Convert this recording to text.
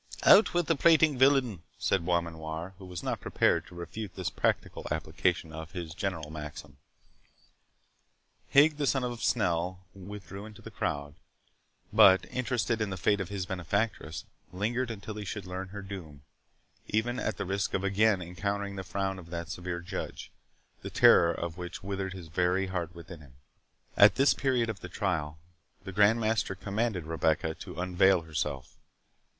"Out with the prating villain!" said Beaumanoir, who was not prepared to refute this practical application of his general maxim. Higg, the son of Snell, withdrew into the crowd, but, interested in the fate of his benefactress, lingered until he should learn her doom, even at the risk of again encountering the frown of that severe judge, the terror of which withered his very heart within him. At this period of the trial, the Grand Master commanded Rebecca to unveil herself.